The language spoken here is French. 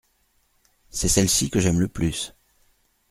C’est celle-ci que j’aime le plus.